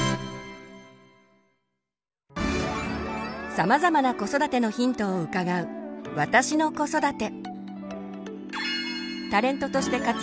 さまざまな子育てのヒントを伺う「私の子育て」。